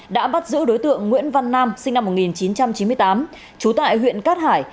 đã bắt giữ đối tượng nguyễn văn nam sinh năm một nghìn chín trăm chín mươi tám trú tại huyện cát hải